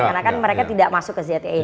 karena kan mereka tidak masuk ke zee